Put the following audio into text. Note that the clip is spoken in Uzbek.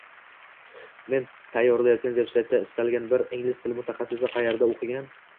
Men tayyorlayotgan veb-saytda istalgan bir ingliz tili mutaxassisi qayerda o‘qigan